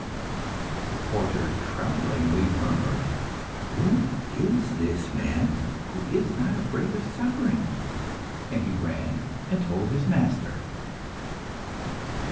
The porter tremblingly murmured "Who is this man who is not afraid of suffering?" And he ran and told his master.